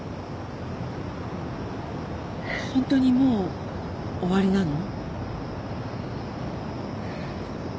ホントにもう終わりなの？